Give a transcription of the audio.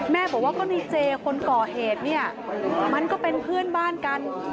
แม่บอกว่าก็ในเจคนก่อเหตุเนี่ยมันก็เป็นเพื่อนบ้านกัน